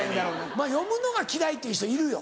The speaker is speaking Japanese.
読むのが嫌いっていう人いるよ